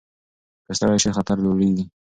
که ستړي شئ خطر لوړېږي.